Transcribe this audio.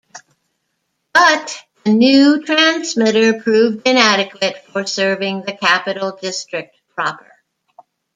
But the new transmitter proved inadequate for serving the Capital District proper.